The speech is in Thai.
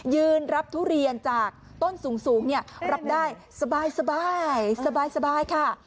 ยืนรับทุเรียนจากต้นสูงรับได้สบายค่ะ